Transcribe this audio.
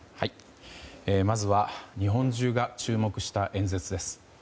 まずは日本中が注目した演説です。